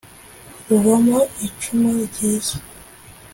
rubamo icumu ryiza